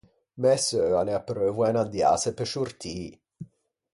Mæ seu a l’é apreuvo à inandiâse pe sciortî.